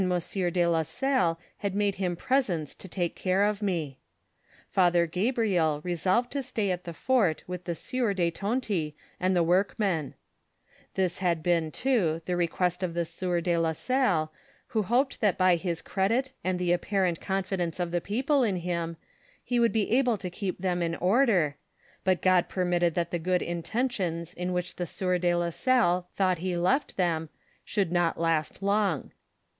de la Salle had made him presents to take care of me. Father Gabriel resolved to stay at the fort with the sieur de Tonty and the workmen ; this had been, too, the request of the eieur de la Salle who hoped that by his credit and the apparent confidence of the people in him, he would be able to keep them in order, but God permitted that the good in tentions in which the sieur de la Salle thought he left them, should not last long.